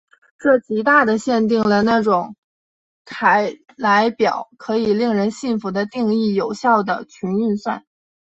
这极大的限定了那种凯莱表可以令人信服的定义有效的群运算。